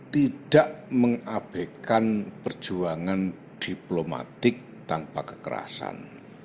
tidak mengabekan perjuangan diplomatik tanpa kekerasan